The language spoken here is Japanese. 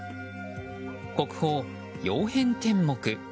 国宝・曜変天目。